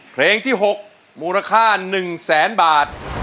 เพลงที่๖มูลค่า๑แสนบาท